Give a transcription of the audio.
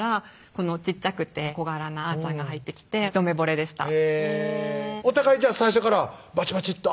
この小っちゃくて小柄なあーちゃんが入ってきて一目ぼれでしたへぇお互い最初からバチバチッと